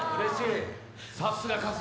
さすが春日。